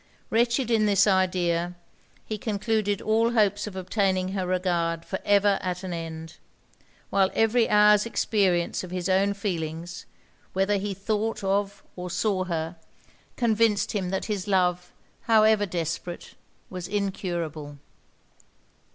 Wretched in this idea, he concluded all hopes of obtaining her regard for ever at an end; while every hour's experience of his own feelings, whether he thought of or saw her, convinced him that his love, however desperate, was incurable.